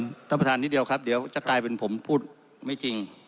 ท่านประธานนิดเดียวครับเดี๋ยวจะกลายเป็นผมพูดไม่จริง